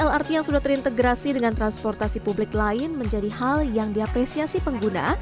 lrt yang sudah terintegrasi dengan transportasi publik lain menjadi hal yang diapresiasi pengguna